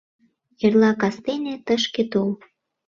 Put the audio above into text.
Эрла кастене тышке тол...